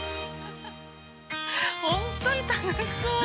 ◆本当に楽しそうで。